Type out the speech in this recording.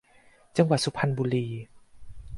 จังหวัดสุพรรณบุรี